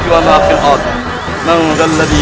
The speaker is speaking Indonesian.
m metal jadilah